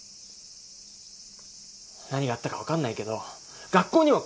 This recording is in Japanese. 何があったか分かんないけど学校には来いよ。